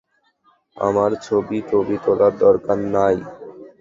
আমার ছবি টবি তোলার দরকার নাই।